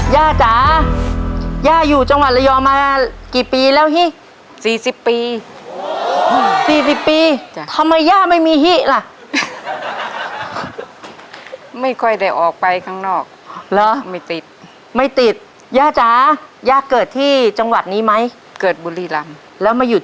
ย่าจ้าย่ายูจังหวัดรยองมากี่ปีแล้วเห้ย